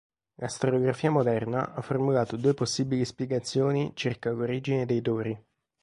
La storiografia moderna ha formulato due possibili spiegazioni circa l'origine dei Dori.